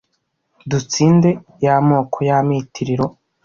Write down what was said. dutsinde yamoko yamitiliro